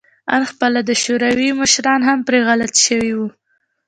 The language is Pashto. آن خپله د شوروي مشران هم پرې غلط شوي وو